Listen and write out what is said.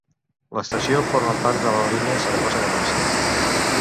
L'estació forma part de la línia Saragossa-València.